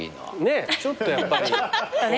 ねえちょっとやっぱり。